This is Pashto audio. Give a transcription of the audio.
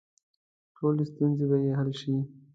ټولې ستونزې به یې حل شي.